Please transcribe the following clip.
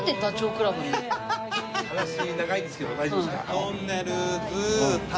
話長いですけど大丈夫ですか？